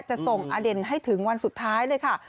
จะส่งอเด่นให้ถึงวันสุดท้ายเลยค่ะ